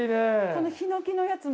このヒノキのやつも。